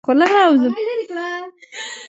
د بولان پټي د افغانستان یوه طبیعي ځانګړتیا ده.